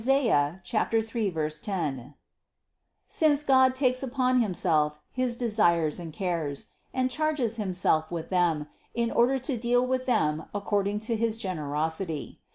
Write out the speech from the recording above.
3, 10) since God takes upon Himself his desires and cares, and charges Himself with them in order to deal with them according to his generosity.